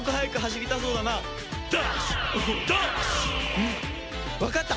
うんわかった。